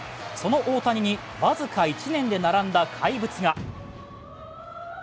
その大谷に僅か１年で並んだ怪物が。